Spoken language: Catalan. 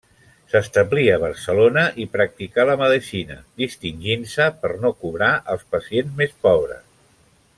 S'establí a Barcelona i practicà la medicina, distingint-se per no cobrar als pacients més pobres.